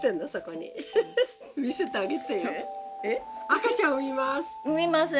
赤ちゃん産みます。